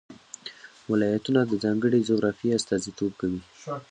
ولایتونه د ځانګړې جغرافیې استازیتوب کوي.